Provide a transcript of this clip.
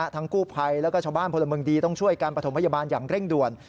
กู้ภัยแล้วก็ชาวบ้านพลเมืองดีต้องช่วยการประถมพยาบาลอย่างเร่งด่วน